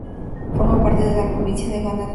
Forma parte de la provincia de Guanentá.